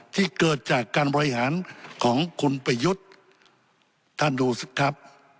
ที่เกิดจากการบริหารของคุณประยุทธ์ท่านดูสิครับ